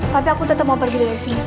tapi aku tetep mau pergi dari sini